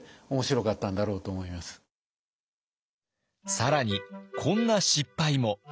更にこんな失敗も。